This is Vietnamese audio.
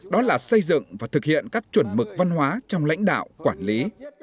đó là xây dựng và thực hiện các chuẩn mực văn hóa trong lãnh đạo quản lý